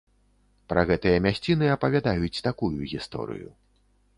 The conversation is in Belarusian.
Пра гэтыя мясціны апавядаюць такую гісторыю.